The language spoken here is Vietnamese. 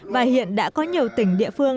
và hiện đã có nhiều tỉnh địa phương